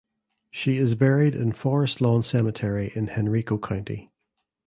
She is buried in Forest Lawn Cemetery in Henrico County.